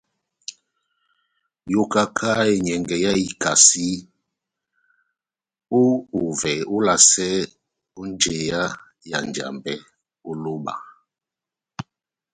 Yokaka enyɛngɛ yá ikasi, ó ovɛ olasɛ ó njeyá ya Njambɛ ó lóba.